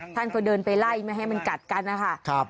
ท่านก็เดินไปไล่ไม่ให้มันกัดกันนะคะ